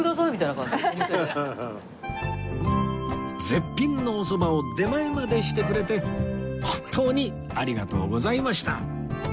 絶品のおそばを出前までしてくれて本当にありがとうございました